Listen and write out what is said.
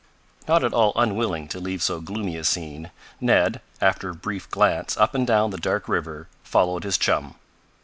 Not at all unwilling to leave so gloomy a scene, Ned, after a brief glance up and down the dark river, followed his chum.